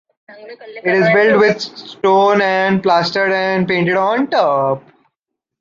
It is built with stone and plastered and painted on top.